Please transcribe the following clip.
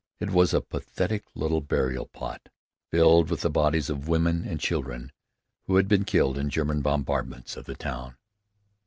It was a pathetic little burial plot, filled with the bodies of women and children who had been killed in German bombardments of the town.